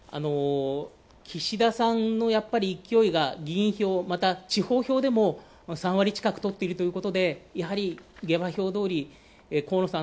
岸田さんの勢いが、議員票、また地方票でも３割近く取っているということでやはり、下馬評どおり、河野さん